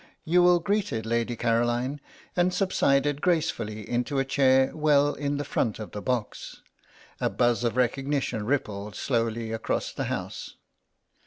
Youghal greeted Lady Caroline and subsided gracefully into a chair well in the front of the box. A buzz of recognition rippled slowly across the house.